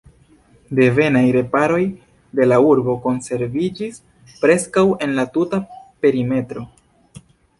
Devenaj remparoj de la urbo konserviĝis preskaŭ en la tuta perimetro.